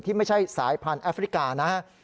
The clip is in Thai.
ไม่ใช่สายพันธุ์แอฟริกานะครับ